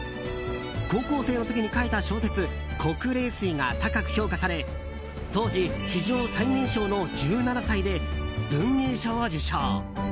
高校生の時に書いた小説「黒冷水」が高く評価され当時、史上最年少の１７歳で文藝賞を受賞。